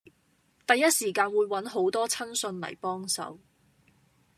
第一時間會搵好多親信嚟幫手